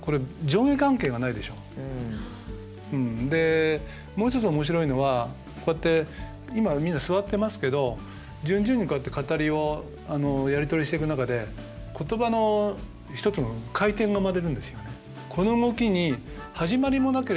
でもう一つ面白いのはこうやって今みんな座ってますけど順々にこうやって語りをやり取りしていく中で言葉の一つの回転が生まれるんですよね。